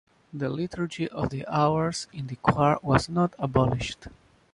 The Liturgy of the Hours in the choir was not abolished.